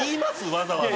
わざわざ。